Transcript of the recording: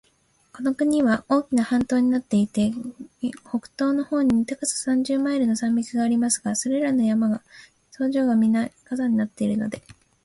この国は大きな半島になっていて、北東の方に高さ三十マイルの山脈がありますが、それらの山は頂上がみな火山になっているので、